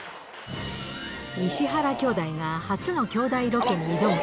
石原兄弟が初のきょうだいロケに挑む。